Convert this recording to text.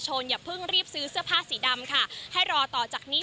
อย่าเพิ่งรีบซื้อเสื้อผ้าสีดำค่ะให้รอต่อจากนี้